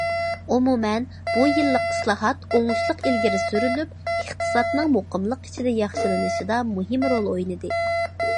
ئومۇمەن، بۇ يىللىق ئىسلاھات ئوڭۇشلۇق ئىلگىرى سۈرۈلۈپ، ئىقتىسادنىڭ مۇقىملىق ئىچىدە ياخشىلىنىشىدا مۇھىم رول ئوينىدى.